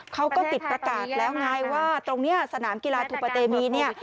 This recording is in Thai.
เขาก็ติดประกาศแล้วไงว่าตรงนี้สนามกีฬาทูปะเตมีนเนี่ย